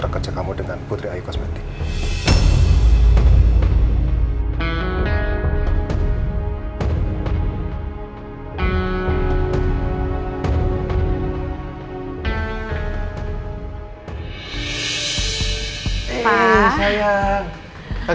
oke kamu gimana udah baik kan